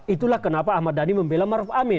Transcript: itulah kenapa ahmad dhani membela maruf amin